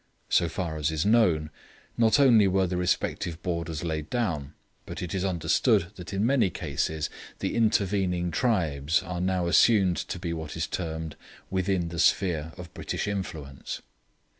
So far as is known, not only were the respective borders laid down, but it is understood that in many cases the intervening tribes are now assumed to be what is termed 'within the sphere of British influence.'